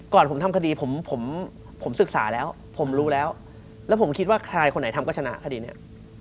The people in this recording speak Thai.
ก่อนผมทำคดีผมผมศึกษาแล้วผมรู้แล้วแล้วผมคิดว่าใครคนไหนทำก็ชนะคดีนี้